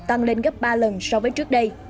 tăng lên gấp ba lần so với trước đây